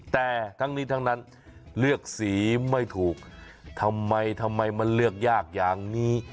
แต่ทั้งนี้ทั้งนั้นเลือกสีไม่ถูกทำไมทำไมมันเลือกยากอย่างนี้